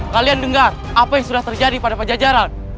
kalian dengar apa yang sudah terjadi pada pajajaran